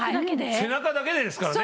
背中だけでですからね。